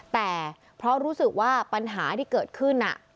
แต่เพราะรู้สึกว่าปัญหาที่เกิดขึ้น